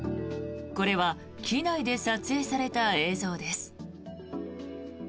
これは機内で撮影された映像です。